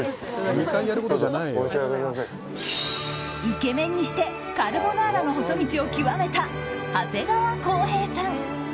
イケメンにしてカルボナーラの細道を極めた長谷川浩平さん。